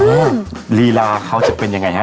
ลีลาเขาจะเป็นยังไงฮะ